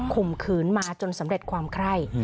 ข่มขืนมาจนสำเร็จความไคร่